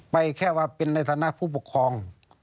แค่ว่าเป็นในฐานะผู้ปกครอง